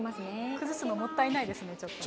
崩すのもったいないですね。